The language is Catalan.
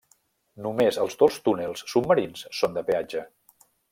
Només els dos túnels submarins són de peatge.